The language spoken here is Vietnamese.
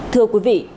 thưa quý vị